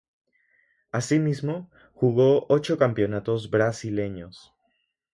Asimismo, jugó ocho campeonatos brasileños.